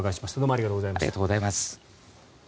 ありがとうございます。